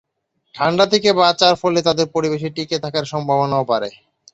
ঠাণ্ডা থেকে বাঁচার ফলে তাদের পরিবেশে টিকে থাকার সম্ভাবনাও বাড়ে।